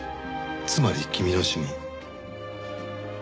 つまり君の指紋。